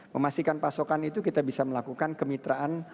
memastikan pasokan itu kita bisa melakukan kemitraan